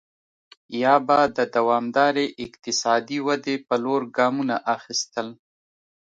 یا به د دوامدارې اقتصادي ودې په لور ګامونه اخیستل.